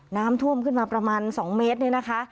น้ำท่วมขึ้นมาประมาณ๒เมตรนี่นะคะ